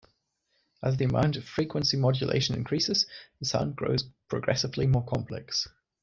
As the amount of frequency modulation increases, the sound grows progressively more complex.